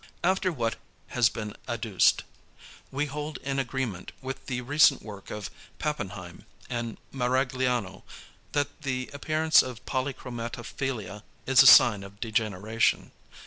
After what has been adduced, we hold in agreement with the recent work of Pappenheim, and Maragliano, that the appearance of polychromatophilia is a sign of degeneration.